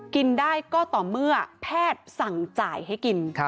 กินได้ก็ต่อเมื่อแพทย์สั่งจ่ายให้กิน